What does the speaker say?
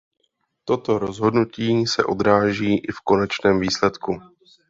Toto rozhodnutí se odráží i v konečném výsledku.